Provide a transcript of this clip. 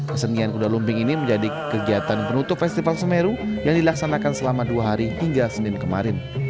kesenian kuda lumping ini menjadi kegiatan penutup festival semeru yang dilaksanakan selama dua hari hingga senin kemarin